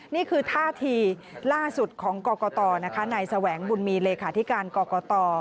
นี่คือท่าทีล่าสุดของกรกตนะคะนายแสวงบุญมีเลขาธิการกรกต